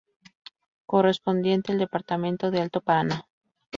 Correspondiente al Departamento de Alto Paraná.